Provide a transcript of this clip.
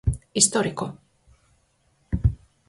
Histórico.